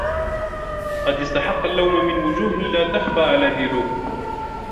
قَدْ اسْتَحَقَّ اللَّوْمَ مِنْ وُجُوهٍ لَا تَخْفَى عَلَى ذِي لُبٍّ